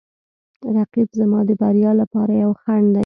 رقیب زما د بریا لپاره یو خنډ دی